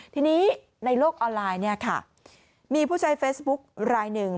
ทีนี้ในโลกออนไลน์เนี่ยค่ะมีผู้ใช้เฟซบุ๊คลายหนึ่ง